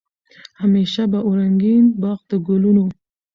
همېشه به وو رنګین باغ د ګلونو